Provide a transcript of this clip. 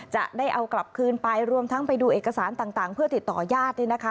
จะได้เอากลับคืนไปรวมทั้งไปดูเอกสารต่างเพื่อติดต่อญาติ